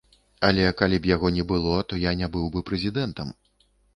Але калі б яго не было, то я не быў бы прэзідэнтам!